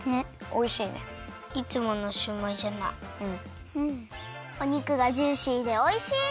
お肉がジューシーでおいしい！